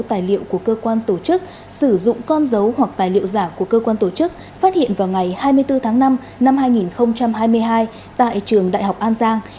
tài liệu của cơ quan tổ chức sử dụng con dấu hoặc tài liệu giả của cơ quan tổ chức phát hiện vào ngày hai mươi bốn tháng năm năm hai nghìn hai mươi hai tại trường đại học an giang